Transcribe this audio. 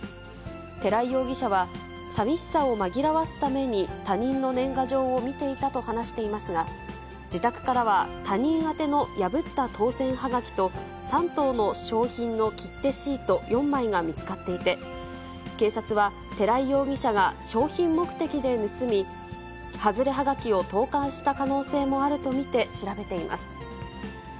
寺井容疑者は、寂しさを紛らわすために他人の年賀状を見ていたと話していますが、自宅からは他人宛ての破った当せんはがきと、３等の賞品の切手シート４枚が見つかっていて、警察は寺井容疑者が賞品目的で盗み、はずれはがきを投かんした可能性もあると見て調べています。